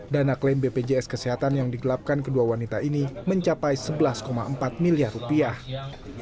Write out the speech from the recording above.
dana klaim bpjs kesehatan yang digelapkan kedua wanita ini mencapai sebelas empat miliar rupiah